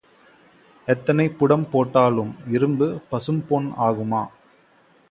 எத்தனை புடம் போட்டாலும் இரும்பு பசும்பொன் ஆகுமா?